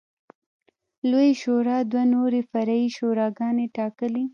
لویې شورا دوه نورې فرعي شوراګانې ټاکلې